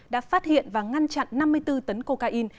đã phát hiện và ngăn chặn năm mươi bốn tấn cocaine